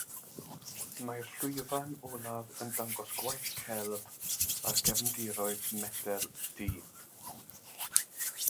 Mae'r llwyfan olaf yn dangos gwaith celf ar gefndiroedd metel du.